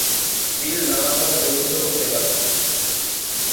বিল নানাভাবে গঠিত হতে পারে।